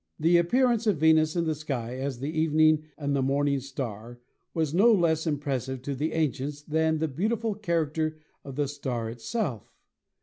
The appearance of Venus in the sky as the evening and the morning star was no less impressive to the ancients VENUS 137. than the beautiful character of the star itself.